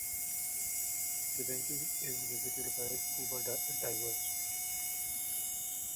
The Bank is visited by scuba divers.